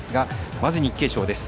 まず日経賞です。